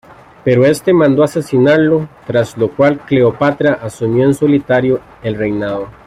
Pero este mandó asesinarlo, tras lo cual Cleopatra asumió en solitario el reinado.